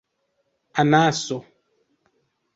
anaso